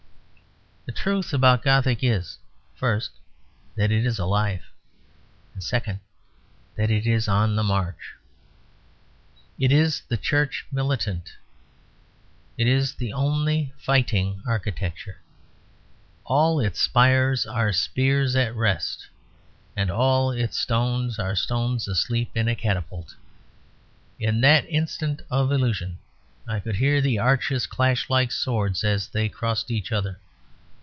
The truth about Gothic is, first, that it is alive, and second, that it is on the march. It is the Church Militant; it is the only fighting architecture. All its spires are spears at rest; and all its stones are stones asleep in a catapult. In that instant of illusion, I could hear the arches clash like swords as they crossed each other.